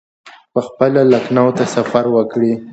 پخپله لکنهو ته سفر وکړي.